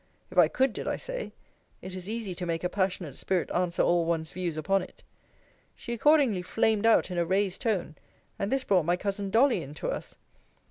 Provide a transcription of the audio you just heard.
If I could, did I say? It is easy to make a passionate spirit answer all one's views upon it. She accordingly flamed out in a raised tone: and this brought my cousin Dolly in to us.